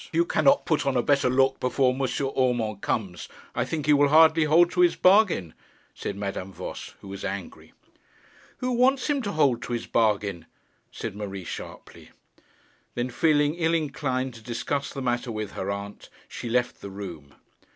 'If you cannot put on a better look before M. Urmand comes, I think he will hardly hold to his bargain,' said Madame Voss, who was angry. 'Who wants him to hold to his bargain?' said Marie sharply. Then feeling ill inclined to discuss the matter with her aunt, she left the room.